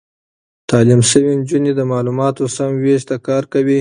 تعليم شوې نجونې د معلوماتو سم وېش ته کار کوي.